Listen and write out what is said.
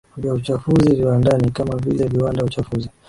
vya uchafuzi viwandani kama vile viwanda Uchafuzi